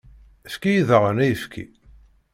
Efk-iyi daɣen ayefki.